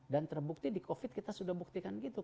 dan terbukti di covid kita sudah buktikan gitu